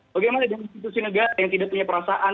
bagaimana dengan institusi negara yang tidak punya perasaan